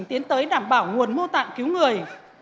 tiến tới đảm bảo nguồn mô tạng cứu người